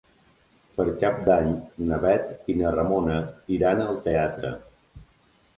Per Cap d'Any na Bet i na Ramona iran al teatre.